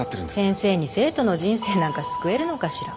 先生に生徒の人生なんか救えるのかしら？